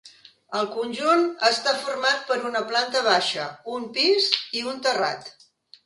El conjunt està format per una planta baixa, un pis i un terrat.